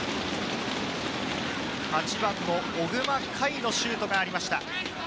８番の小熊快のシュートがありました。